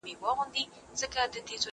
دا سفر له هغه اسانه دی!.